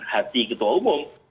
hati ketua umum